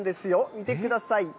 見てください。